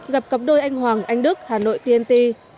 gặp cặp đôi anh hoàng anh đức hà nội tnt